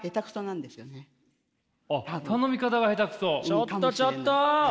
ちょっとちょっと！